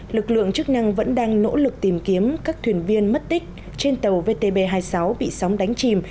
lực lượng chức năng vẫn đang nỗ lực tìm kiếm các thuyền viên mất tích trên tàu vtb hai mươi sáu bị sóng đánh chìm